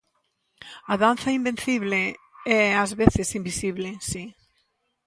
A danza invencible, e ás veces invisible, si.